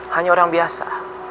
hanya orang biasa